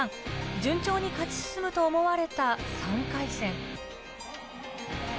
順調に勝ち進むと思われた３回戦。